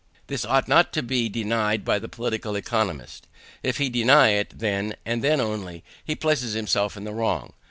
This ought not to be denied by the political economist. If he deny it, then, and then only, he places himself in the wrong.